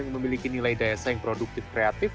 yang memiliki nilai daya saing produktif kreatif